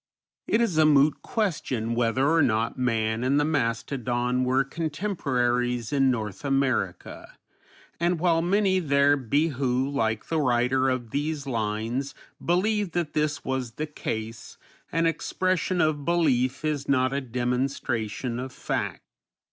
It is a moot question whether or not man and the mastodon were contemporaries in North America, and while many there be who, like the writer of these lines, believe that this was the case, an expression of belief is not a demonstration of fact.